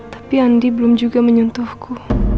tapi andi belum juga menyentuhku